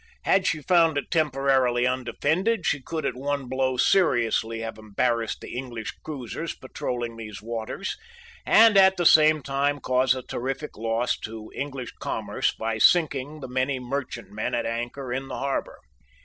Had she found it temporarily undefended she could at one blow seriously have embarrassed the English cruisers patrolling these waters and at the same time cause a terrific loss to English commerce by sinking the many merchantmen at anchor in the harbor.